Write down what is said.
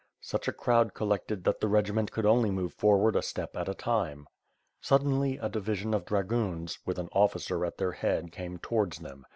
Such a crowd collected that the regiment could only move forward a step at a time. Suddenly a division of dragoons, with an officer at their head came towards them.